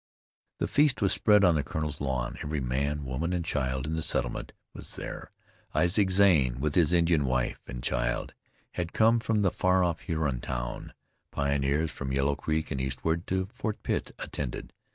The feast was spread on the colonel's lawn. Every man, woman and child in the settlement was there. Isaac Zane, with his Indian wife and child, had come from the far off Huron town. Pioneers from Yellow Creek and eastward to Fort Pitt attended.